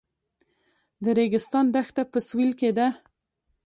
د ریګستان دښته په سویل کې ده